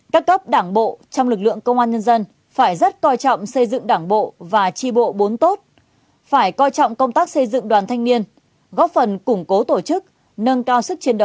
các cấp đảng bộ trong lực lượng công an nhân dân phải rất coi trọng xây dựng đảng bộ và tri bộ bốn tốt phải coi trọng công tác xây dựng đoàn thanh niên góp phần củng cố tổ chức nâng cao sức chiến đấu